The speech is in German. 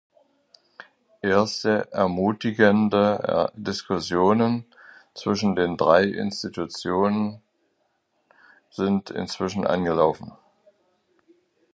Erste ermutigende Diskussionen zwischen den drei Institutionen sind inzwischen angelaufen.